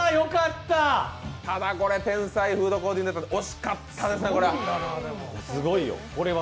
ただ、これ天才フードコーディネーター、惜しかったですね。